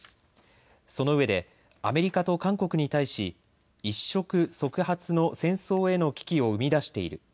そのうえでアメリカと韓国に対し一触即発の戦争への危機を生み出している。